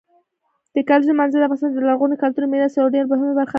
د کلیزو منظره د افغانستان د لرغوني کلتوري میراث یوه ډېره مهمه برخه ده.